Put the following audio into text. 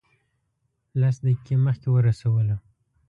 لس دقیقې مخکې ورسولو.